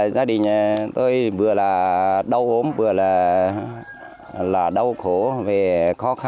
gia đình tôi vừa là đau ốm vừa là đau khổ